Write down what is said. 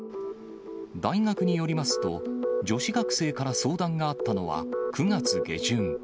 大学によりますと、女子学生から相談があったのは９月下旬。